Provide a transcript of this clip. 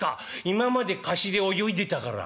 今まで河岸で泳いでたから」。